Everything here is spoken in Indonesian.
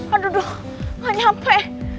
aduh nggak nyampe